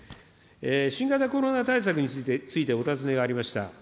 新型コロナ対策についてお尋ねがありました。